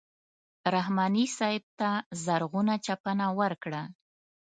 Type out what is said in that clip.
رحماني صاحب ته زرغونه چپنه ورکړه.